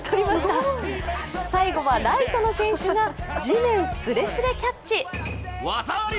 最後はライトの選手が、地面すれすれキャッチ。